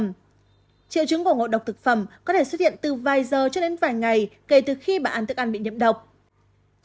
triệu chứng của ngộ độc thực phẩm có thể xuất hiện từ vài giờ cho đến vài ngày kể từ khi bà ăn thức ăn bị nhiễm độc